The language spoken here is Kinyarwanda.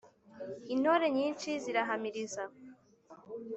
intore nyinshi zirahamiriza